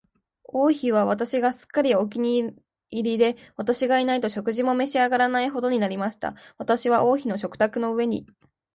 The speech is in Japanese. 王妃は私がすっかりお気に入りで、私がいないと食事も召し上らないほどになりました。私は王妃の食卓の上に、